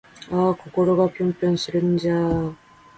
あぁ〜心がぴょんぴょんするんじゃぁ〜